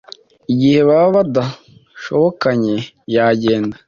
igihe baba badashobokanye yagenda